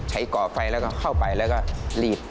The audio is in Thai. ก่อไฟแล้วก็เข้าไปแล้วก็รีบ